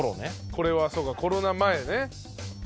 これはそうかコロナ前ね。